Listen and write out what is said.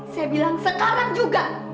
saya bilang sekarang juga